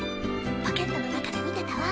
ポケットの中で見てたわ。